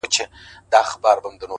ياره وس دي نه رسي ښكلي خو ســرزوري دي؛